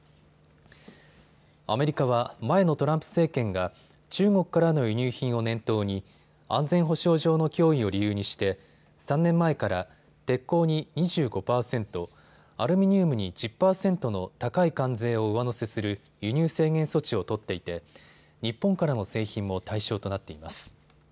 アメリカは前のトランプ政権が中国からの輸入品を念頭に安全保障上の脅威を理由にして３年前から鉄鋼に２５％、アルミニウムに１０％の高い関税を上乗せする輸入制限措置を取っていて日本からの製品も対象となっています。